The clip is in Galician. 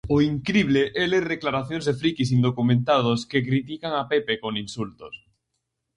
O incrible é ler declaracións de frikis indocumentados que critican a Pepe con insultos.